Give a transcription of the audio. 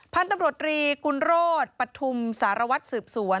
พันธุ์ตำรวจรีกุลโรธปฐุมสารวัตรสืบสวน